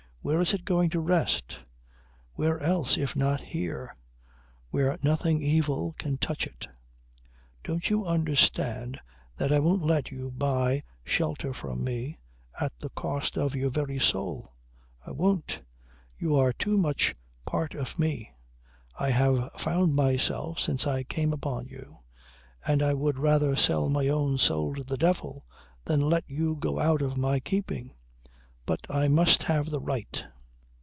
Where is it going to rest? Where else if not here, where nothing evil can touch it. Don't you understand that I won't let you buy shelter from me at the cost of your very soul. I won't. You are too much part of me. I have found myself since I came upon you and I would rather sell my own soul to the devil than let you go out of my keeping. But I must have the right."